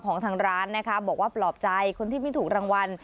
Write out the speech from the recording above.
ของทางร้านนะคะบอกว่าปลอบใจคนที่ไม่ถูกรางวัล